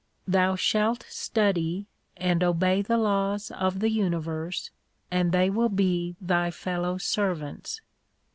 Thou shalt study and obey the laws of the universe, and they will be thy fellow servants.